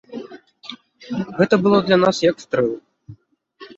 Гэта было для нас як стрэл.